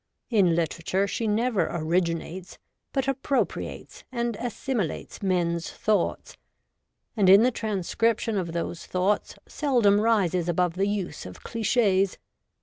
In literature she never originates, but appropriates and assimi lates men's thoughts, and in the transcription of those thoughts seldom rises above the use of clichis.